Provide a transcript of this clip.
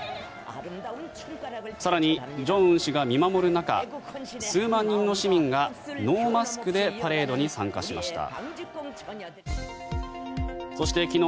更に、正恩氏が見守る中数万人の市民がノーマスクでパレードに参加しました。